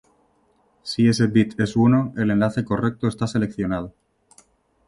Si ese bit es uno, el enlace correcto está seleccionado.